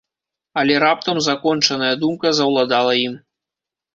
Але раптам закончаная думка заўладала ім.